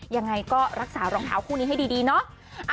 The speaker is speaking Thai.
ยังไงก็รักษารองเท้าคู่นี้ให้ดีเนาะ